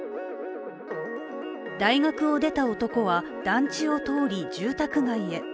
大学を出た男は、団地を通り住宅街へ。